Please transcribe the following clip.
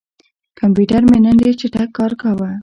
کمپیوټر مې نن ډېر چټک کار کاوه.